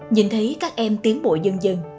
nhìn thấy các em tiến bộ dần dần